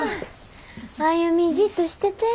歩ジッとしてて。